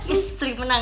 istri menang satu